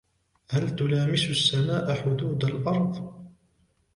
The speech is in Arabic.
هل تلامس السماء حدود الأرض ؟